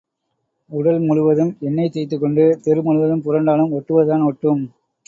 உடல் முழுவதும் எண்ணெய் தேய்த்துக் கொண்டு தெரு முழுவதும் புரண்டாலும் ஒட்டுவதுதான் ஒட்டும்.